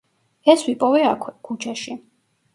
ეს ვიპოვე აქვე, ქუჩაში.